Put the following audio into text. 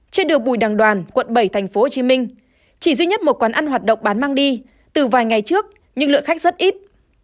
trên đường bùi đằng đoàn quận bảy tp hcm chỉ duy nhất một quán ăn hoạt động bán mang đi từ vài ngày trước nhưng lượng khách rất ít